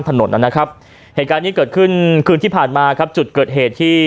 ถนนนะครับเหตุการณ์นี้เกิดขึ้นคืนที่ผ่านมาครับจุดเกิดเหตุที่